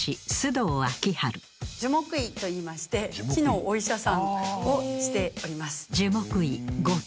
樹木医といいまして木のお医者さんをしております。